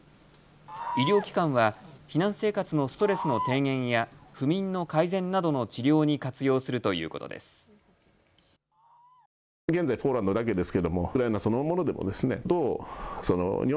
医療機関は避難生活のストレスの低減や不眠の改善などの治療に活用するということです。